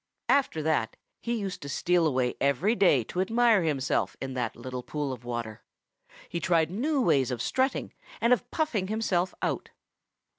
"After that he used to steal away every day to admire himself in that little pool of water. He tried new ways of strutting and of puffing himself out.